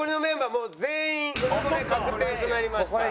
もう全員うぬぼれ確定となりました。